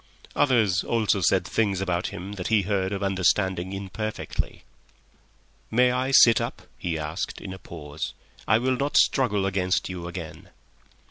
Others also said things about him that he heard or understood imperfectly. "May I sit up?" he asked, in a pause. "I will not struggle against you again."